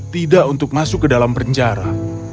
tidak untuk masuk ke dalam penjara